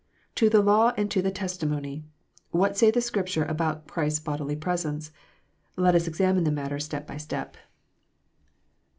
To the law and to the testimony ! What says the Scripture about Christ s bodily presence 1 Let us examine the matter step by step.